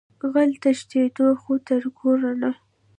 غل تېښتوه خو تر کوره نه